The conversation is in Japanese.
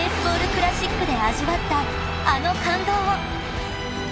クラシックで味わったあの感動を！］